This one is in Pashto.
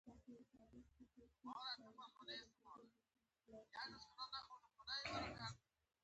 دا دوه قبیلې ګډه ژبه او قومي ریښه لري.